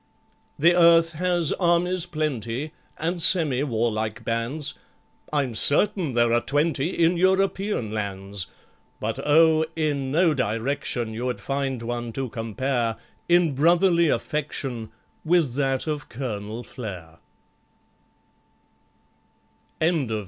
The earth has armies plenty, And semi warlike bands, I'm certain there are twenty In European lands; But, oh! in no direction You'd find one to compare In brotherly affection With that of COLONEL FLARE. LOST MR.